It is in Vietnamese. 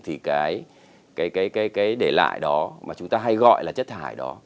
thì cái để lại đó mà chúng ta hay gọi là chất thải đó